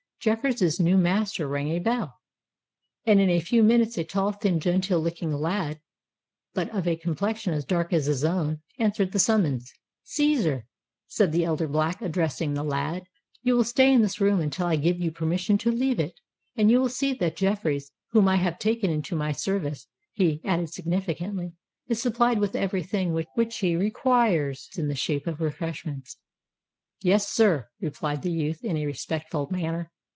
Jeffreys' new master rang a bell; and in a few minutes a tall, thin, genteel looking lad, but of a complexion as dark as his own, answered the summons. "Cæsar," said the elder Black, addressing the lad, "you will stay in this room until I give you permission to leave it; and you will see that Jeffreys, whom I have taken into my service," he added significantly, "is supplied with every thing which he requires in the shape of refreshments." "Yes, sir," replied the youth, in a respectful manner.